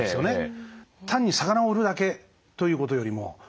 単に魚を売るだけということよりも幅が出てきた。